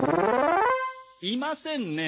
いませんね。